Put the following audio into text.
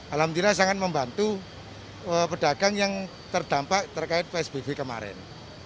alhamdulillah sangat membantu pedagang yang terdampak terkait psbb kemarin